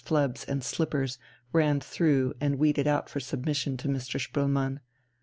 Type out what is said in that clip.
Phlebs and Slippers ran through and weeded out for submission to Mr. Spoelmann.